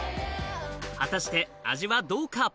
果たして味はどうか？